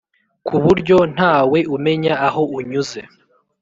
ku buryo nta we umenya aho unyuze.